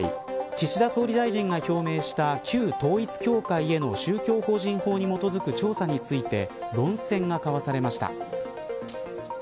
岸田総理大臣が表明した旧統一教会への宗教法人法に基づく調査について論戦が交わされました。